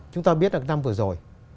chúng ta biết là năm vừa rồi